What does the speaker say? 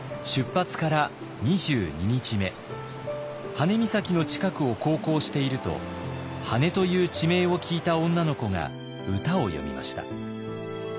羽根岬の近くを航行していると「羽根」という地名を聞いた女の子が歌を詠みました。